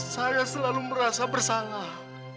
saya selalu merasa bersalah